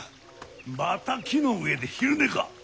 また木の上で昼寝か！